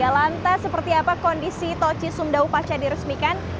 lantas seperti apa kondisi toci sumdawu pacar diresmikan